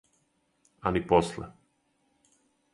А ни после.